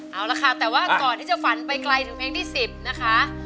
เอาละค่ะแต่ว่าก่อนที่จะฝันไปไกลถึงเพลงที่๑๐นะคะ